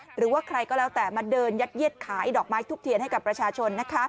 หรือว่าใครก็แล้วแต่มาเดินยัดเย็ดขายดอกไม้ทุบเทียนให้กับประชาชนนะคะ